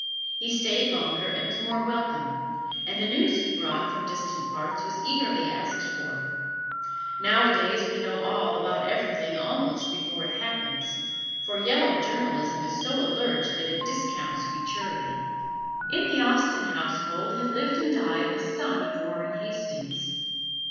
He stayed longer and was more welcome; and the news he brought from distant parts was eagerly asked for. Nowadays we know all about everything, almost before it happens, for yellow journalism is so alert that it discounts futurity. In the Austen household had lived and died a son of Warren Hastings.